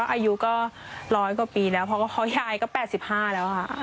อายุก็๑๐๐กว่าปีแล้วเพราะว่าเขายายก็๘๕แล้วค่ะ